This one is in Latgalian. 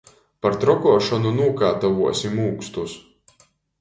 Par trokuošonu nūkātavuosim ūkstus!